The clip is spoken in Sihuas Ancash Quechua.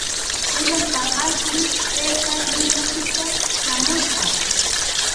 Pullan paqasmi taytaa Limapita traamushqa.